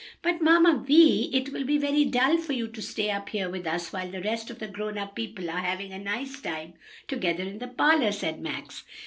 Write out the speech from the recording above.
"But, Mamma Vi, it will be very dull for you to stay up here with us while the rest of the grown up people are having a nice time together in the parlor," said Max.